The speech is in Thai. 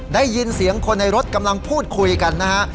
ได้ยินเสียงคนในรถกำลังพูดคุยกันนะฮะ